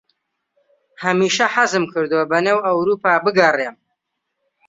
هەمیشە حەزم کردووە بەنێو ئەورووپا بگەڕێم.